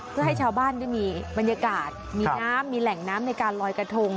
เพื่อให้ชาวบ้านได้มีบรรยากาศมีน้ำมีแหล่งน้ำในการลอยกระทง